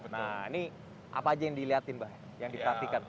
nah ini apa aja yang dilihatin mbah yang diperhatikan